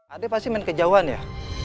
ade pasti main kejauhan ya